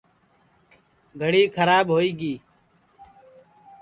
گھڑی کھراب ہوئی گی